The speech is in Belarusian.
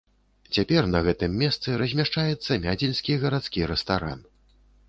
Цяпер на гэтым месцы размяшчаецца мядзельскі гарадскі рэстаран.